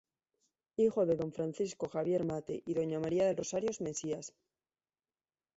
Hijo de don Francisco Javier Matte y doña María del Rosario Mesías.